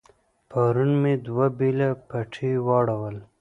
پرون مې دوه بېله پټي واړول.